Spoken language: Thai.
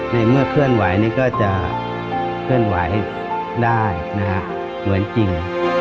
ในเมื่อเคลื่อนไหวนี้ก็จะเคลื่อนไหวได้นะฮะเหมือนจริง